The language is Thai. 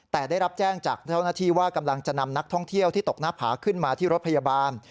แต่ได้รับแจ้งจากเจ้าหน้าที่ว่ากำลังจะนำนักท่องเที่ยวที่ตกหน้าผาขึ้นมาที่รถพยาบาล